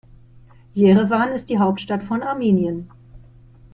Jerewan ist die Hauptstadt von Armenien.